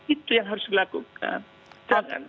itu yang harus dilakukan